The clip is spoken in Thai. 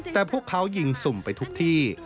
แต่พวกเขายิงสุ่มไปทุกที่